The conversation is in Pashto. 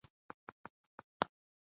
ترانسپورت باید اسانه شي.